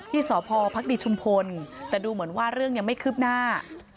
ที่สพภักดีชุมพลแต่ดูเหมือนว่าเรื่องยังไม่คืบหน้า